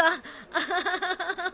アハハハ。